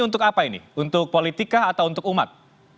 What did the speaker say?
untuk apa ini untuk politika atau untuk umat